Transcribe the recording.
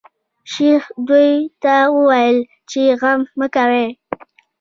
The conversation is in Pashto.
شیخ دوی ته وویل چې غم مه کوی.